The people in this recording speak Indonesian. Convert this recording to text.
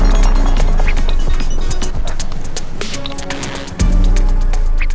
siap mbak andin